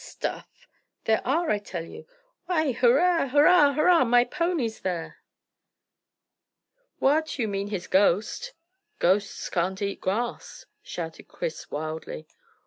"Stuff!" "There are, I tell you. Why, hurrah! hurrah! hurrah! My pony's there." "What! You mean his ghost." "Ghosts can't eat grass," shouted Chris wildly.